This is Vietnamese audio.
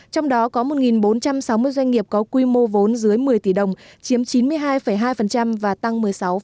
trong đó có một bốn trăm sáu mươi doanh nghiệp có quy mô vốn dưới một mươi tỷ đồng chiếm chín mươi hai hai và tăng một mươi sáu